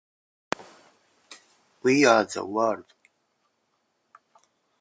We are the world